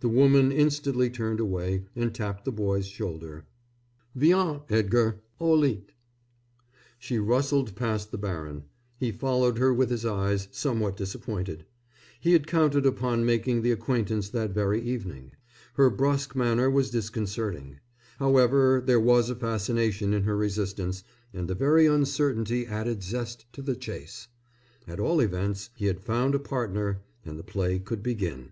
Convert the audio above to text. The woman instantly turned away and tapped the boy's shoulder. "Viens, Edgar. Au lit." She rustled past the baron. He followed her with his eyes, somewhat disappointed. He had counted upon making the acquaintance that very evening. Her brusque manner was disconcerting. However, there was a fascination in her resistance, and the very uncertainty added zest to the chase. At all events he had found a partner, and the play could begin.